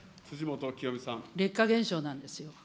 劣化現象なんですよ。